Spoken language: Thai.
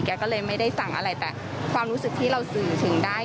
แกก็เลยไม่ได้สั่งอะไรแต่ความรู้สึกที่เราสื่อถึงได้